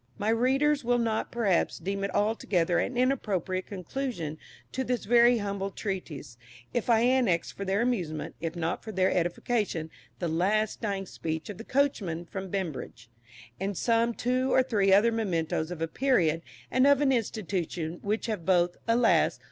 My readers will not, perhaps, deem it altogether an inappropriate conclusion to this very humble little treatise, if I annex for their amusement, if not for their edification, "The last Dying Speech of the Coachmen from Beambridge," and some two or three other mementoes of a period and of an institution which have both, alas!